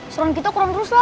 seron kita kurang rus loh